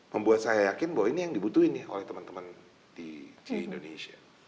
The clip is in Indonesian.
membuat saya yakin bahwa ini yang dibutuhin oleh teman teman di indonesia